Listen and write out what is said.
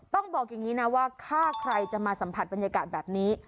ต้องบอกอย่างนี้นะว่าถ้าใครจะมาสัมผัสบรรยากาศแบบนี้